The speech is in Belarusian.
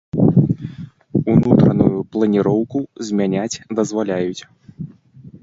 Унутраную планіроўку змяняць дазваляюць.